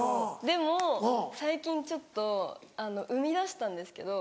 でも最近ちょっと生み出したんですけど。